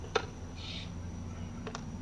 Creada mediante el Decreto Legislativo No.